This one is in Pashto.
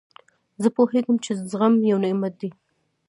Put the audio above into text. زه پوهېږم، چي زغم یو نعمت دئ.